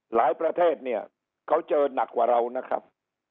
ประเทศเนี่ยเขาเจอหนักกว่าเรานะครับ